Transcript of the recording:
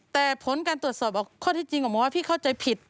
แต่ผลการตรวจสอบบอกข้อที่จริงออกมาว่าพี่เข้าใจผิด